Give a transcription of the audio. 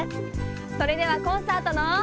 それではコンサートの。